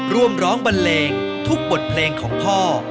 ร่วมร้องบันเลงทุกบทเพลงของพ่อ